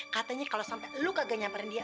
katanya kalau sampe lu kagak nyamperin dia